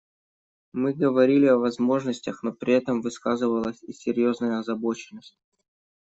Мы говорили о возможностях, но при этом высказывалась и серьезная озабоченность.